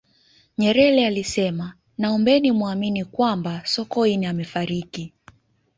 nyerere alisema naombeni muamini kwamba sokoine amefariki